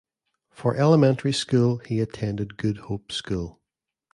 For elementary school he attended Good Hope School.